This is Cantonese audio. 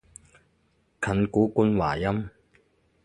近古官話音